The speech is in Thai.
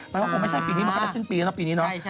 มันก็คงไม่ใช่ปีนี้มันก็จะสิ้นปีแล้วเนาะปีนี้เนาะ